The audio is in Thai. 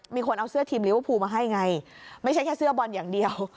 มีคนเอาเสื้อทีมลิเวอร์พูลมาให้ไงไม่ใช่แค่เสื้อบอลอย่างเดียว